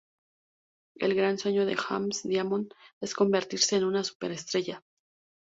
El gran sueño de James Diamond es convertirse en una super estrella.